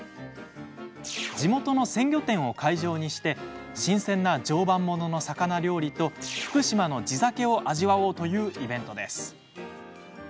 地元の鮮魚店を会場にして新鮮な常磐ものの魚料理と福島の地酒を味わおうというイベントです。